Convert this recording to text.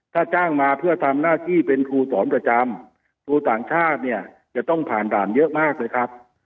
ถ้าจ้างมาเพื่อทำหน้าที่เป็นครูสอนประจำครูต่างชาติเนี่ยจะต้องผ่านด่านเยอะมากเลยครับ